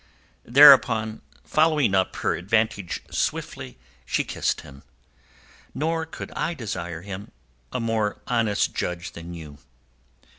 Thereupon following up her advantage swiftly, she kissed him. "Nor could I desire him a more honest judge than you."